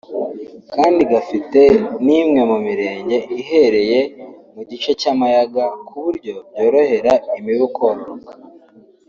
kandi gafite n’imwe mu mirenge ihereye mu gice cy’amayaga ku buryo byorohera imibu kororoka